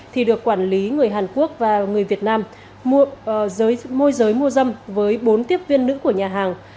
thì được quản lý người hàn quốc và người việt nam môi giới mua dâm với bốn tiếp viên nữ của nhà hàng